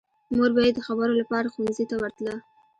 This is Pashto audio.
مور به یې د خبرو لپاره ښوونځي ته ورتله